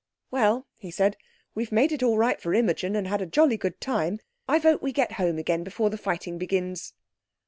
"Well," he said, "we've made it all right for Imogen, and had a jolly good time. I vote we get home again before the fighting begins."